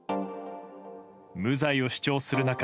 無罪を主張する中